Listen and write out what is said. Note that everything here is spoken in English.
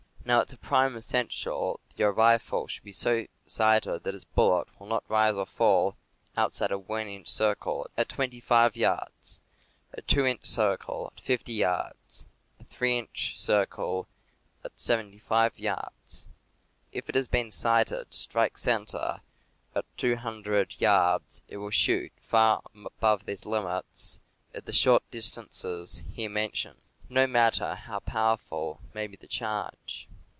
Now it is a prime essential that your rifle should be so sighted that its bullet will not rise or fall outside a one inch circle at 25 yards, a two inch circle at 50 yards, a three inch circle at 75 yards. If it has been sighted to strike cen ter at 200 yards, it will shoot far above these limits at the short distances here mentioned, no matter how powerful may be the charge.